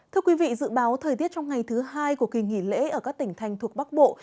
thưa quý vị dự báo thời tiết trong ngày thứ hai của kỳ nghỉ lễ ở các tỉnh thành thuộc bắc bộ